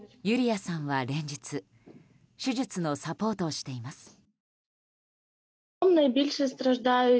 ユリアさんは連日手術のサポートをしています。